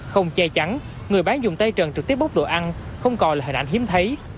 không che chắn người bán dùng tay trần trực tiếp bốc đồ ăn không coi là hình ảnh hiếm thấy